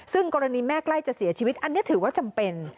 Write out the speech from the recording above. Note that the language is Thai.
ซึ่งกรณีแม่ใกล้จะเสียชีวิตอันนี้ถือว่าจำเป็น